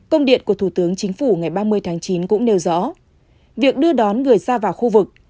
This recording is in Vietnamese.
công điện của thủ tướng chính phủ ngày ba mươi tháng chín cũng nêu rõ việc đưa đón người ra vào khu vực